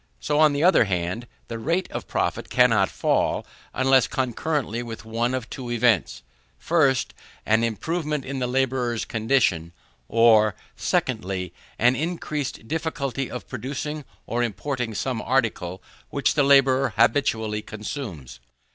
So, on the other hand, the rate of profit cannot fall, unless concurrently with one of two events: 1st, an improvement in the labourer's condition; or, 2ndly, an increased difficulty of producing or importing some article which the labourer habitually consumes.